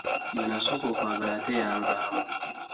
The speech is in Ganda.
Gwe nasooka okwagala ate yanvaamu.